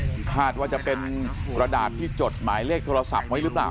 คือคาดว่าจะเป็นกระดาษที่จดหมายเลขโทรศัพท์ไว้หรือเปล่า